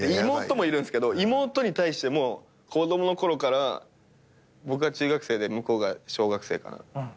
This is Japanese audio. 妹もいるんすけど妹に対しても子供のころから僕が中学生で向こうが小学生かな。